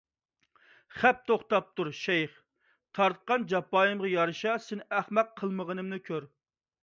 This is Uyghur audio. خەپ توختاپتۇر، شەيخ! تارتقان جاپايىمغا يارىشا سېنى ئەخمەق قىلمىغىنىمنى كۆر!